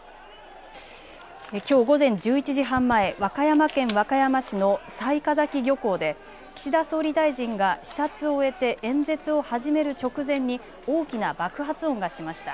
きょう午前１１時半前、和歌山県和歌山市の雑賀崎漁港で岸田総理大臣が視察を終えて演説を始める直前に大きな爆発音がしました。